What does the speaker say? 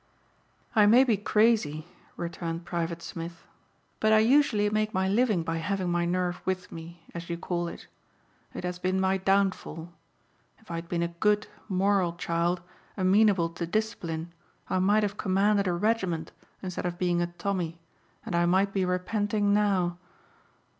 "I may be crazy," returned Private Smith, "but I usually make my living by having my nerve with me as you call it. It has been my downfall. If I had been a good, moral child, amenable to discipline I might have commanded a regiment instead of being a 'tommy' and I might be repenting now.